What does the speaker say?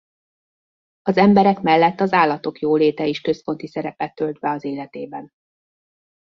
Az emberek mellett az állatok jóléte is központi szerepet tölt be az életében.